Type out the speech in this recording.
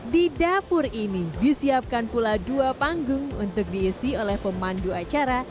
di dapur ini disiapkan pula dua panggung untuk diisi oleh pemandu acara